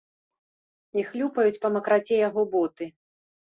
І хлюпаюць па макраце яго боты.